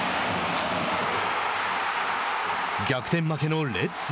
逆転負けのレッズ。